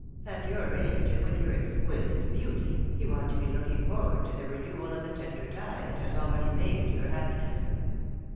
.... At your age, and with your exquisite beauty, you ought to be looking forward to the re newal of the tender tie that has already made your happiness